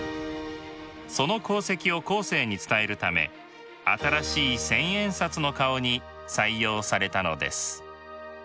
その功績を後世に伝えるため新しい千円札の顔に採用されたのです。